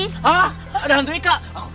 hah ada hantu ika